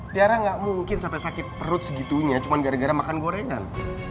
tiara gak mungkin sampai sakit perut segitunya cuma gara gara makan gorengan